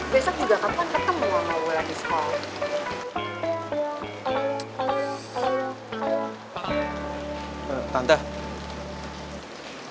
besok juga kapan ketemu sama wulandar di sekolah